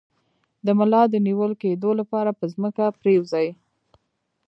د ملا د نیول کیدو لپاره په ځمکه پریوځئ